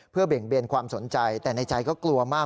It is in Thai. เพื่อเบ่งเบนความสนใจแต่ในใจก็กลัวมาก